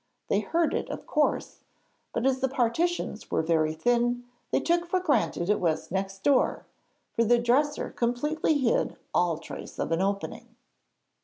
They heard it of course, but as the partitions were very thin, they took for granted it was next door, for the dresser completely hid all trace of an opening.